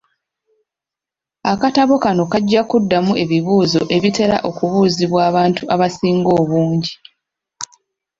Akatabo kano kajja kuddamu ebibuuzo ebitera okubuuzibwa abantu abasinga obungi.